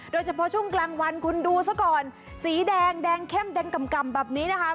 โดยเฉพาะช่วงกลางวันคุณดูซะก่อนสีแดงแดงเข้มแดงกำแบบนี้นะคะ